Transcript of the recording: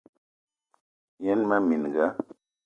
Yen mmee minga: